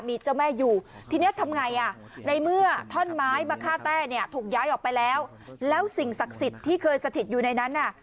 มาฆ่าแต้เนี่ยถูกย้ายออกไปแล้วแล้วสิ่งศักดิ์สิทธิ์ที่เคยสถิตอยู่ในนั้นน่ะ